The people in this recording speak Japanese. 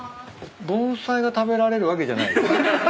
盆栽が食べられるわけじゃないですよね？